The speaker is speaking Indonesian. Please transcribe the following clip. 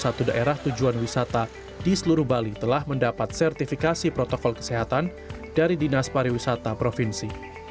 sejak tahun ini sejarah tujuan wisata di seluruh bali telah mendapat sertifikasi protokol kesehatan dari dinas pariwisata provinsi